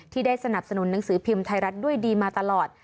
ได้สนับสนุนหนังสือพิมพ์ไทยรัฐด้วยดีมาตลอด